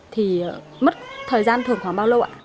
thì mất thời gian thường khoảng bao lâu ạ